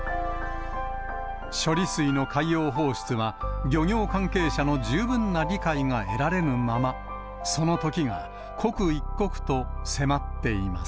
処理水の海洋放出は、漁業関係者の十分な理解が得られぬまま、その時が刻一刻と迫っています。